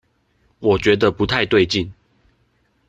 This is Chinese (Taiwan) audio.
我覺得不太對勁